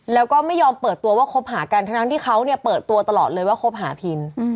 แล้วก็ไม่ยอมเปิดตัวว่าคบหากันทั้งที่เขาเนี่ยเปิดตัวตลอดเลยว่าคบหาพิน